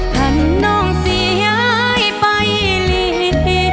ท่านนองสีย้ายไปลี